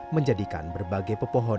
menjadikan berbagai pepohonan